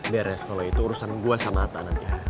beres kalau itu urusan gue sama atta nanti ya